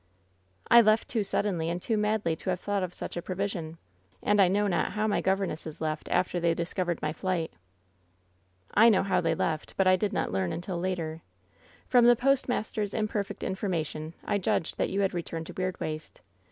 " T left too suddenly and too madly to have thought of such a provision— and I know not how my govern esses left after they discovered my flight.' " 'I know how they left, but I did not learn until later. From the postmaster's imperfect information I judged that you had returned to Weirdwaste.